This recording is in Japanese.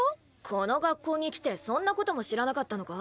この学校に来てそんなことも知らなかったのか？